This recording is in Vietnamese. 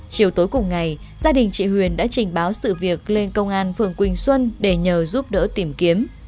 chiều tối cùng ngày gia đình chị huyền đã trình báo sự việc lên công an phường quỳnh xuân để nhờ giúp đỡ tìm kiếm